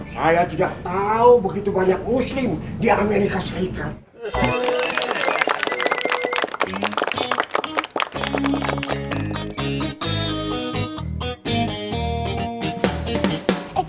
saya tidak tahu begitu banyak muslim di amerika serikat